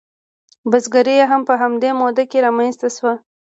بزګري هم په همدې موده کې رامنځته شوه.